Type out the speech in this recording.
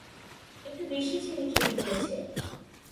একটু বেশি চিনি খেয়ে ফেলেছে।